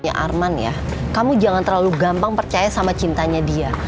ya arman ya kamu jangan terlalu gampang percaya sama cintanya dia